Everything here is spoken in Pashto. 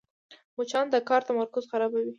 مچان د کار تمرکز خرابوي